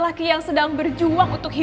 tokoh saya mendengar biru biru itu untukii